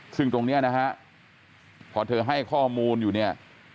ซึ่งตรงนี้นะฮะพอเธอให้ข้อมูลอยู่เนี่ย